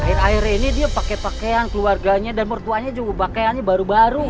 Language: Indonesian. akhir akhir ini dia pake pakean keluarganya dan mertuanya juga pakeannya baru baru